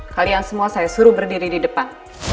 kalian semua saya suruh berdiri di depan